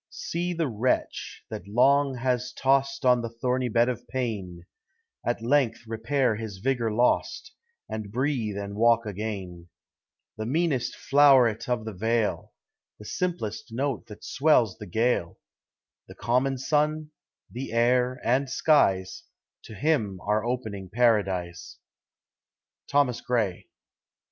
See the wretch, that long has tost On the thorny bed of Pain, At length repair his vigor lost, And breathe and walk again: The meanest flow'r'et of the vale, The simplest note that swells the gale, The common Sun, the air, and skies, To him are opening Paradise. _Thomas Gray.